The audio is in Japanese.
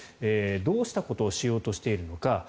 どうしたことをしようとしているのか。